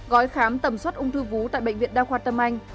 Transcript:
gói khám tầm soát ung thư vú tại bệnh viện đa khoa tâm anh